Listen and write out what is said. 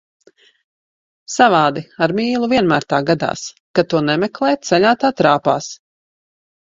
Savādi, ar mīlu vienmēr tā gadās, kad to nemeklē, ceļā tā trāpās.